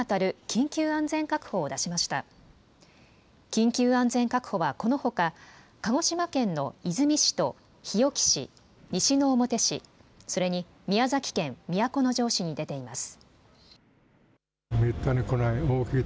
緊急安全確保はこのほか、鹿児島県の出水市と、日置市、西之表市、それに宮崎県都城市に出ています。